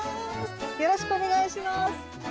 よろしくお願いします。